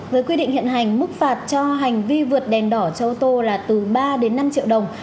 với quy định hiện hành mức phạt cho hành vi vượt đèn đỏ cho ô tô là từ ba đến năm triệu đồng